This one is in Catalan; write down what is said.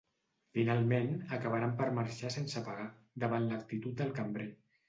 Finalment, acabaran per marxar sense pagar, davant l'actitud del cambrer.